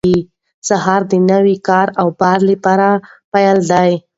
سهار د نوي کار او بار پیل دی.